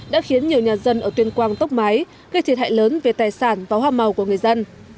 đã khiến nhiều nhà dân ở tuyên quang tốc mái gây thiệt hại lớn về tài sản và hoa màu của người dân